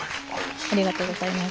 ありがとうございます。